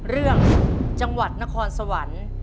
เรื่องจังหวัดนครสวรรค์